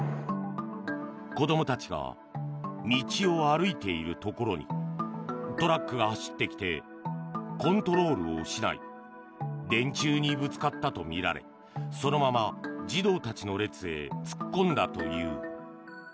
子どもたちが道を歩いているところにトラックが走ってきてコントロールを失い電柱にぶつかったとみられそのまま児童たちの列へ突っ込んだという。